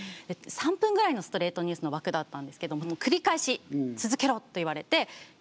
３分ぐらいのストレートニュースの枠だったんですけども繰り返し続けろと言われて読んでいたんですよ。